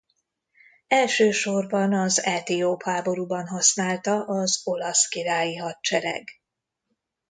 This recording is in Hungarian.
Elsősorban az Etióp háborúban használta az olasz királyi hadsereg.